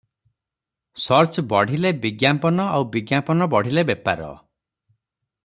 Search ବଢ଼ିଲେ ବିଜ୍ଞାପନ ଆଉ ବିଜ୍ଞାପନ ବଢ଼ିଲେ ବେପାର ।